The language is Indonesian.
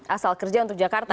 asal kerja untuk jakarta